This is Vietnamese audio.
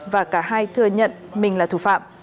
và cả hai thừa nhận mình là thủ phạm